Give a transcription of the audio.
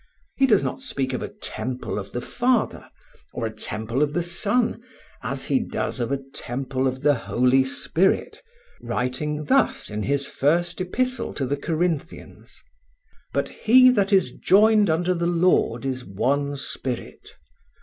He does not speak of a temple of the Father, or a temple of the Son, as he does of a temple of the Holy Spirit, writing thus in his first epistle to the Corinthians: "But he that is joined unto the Lord is one spirit."